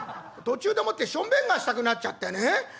「途中でもってしょんべんがしたくなっちゃってね」。